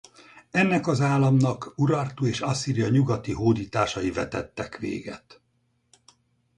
Ennek az államnak Urartu és Asszíria nyugati hódításai vetettek véget.